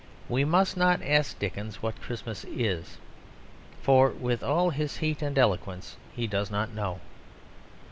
We must not ask Dickens what Christmas is, for with all his heat and eloquence he does not know.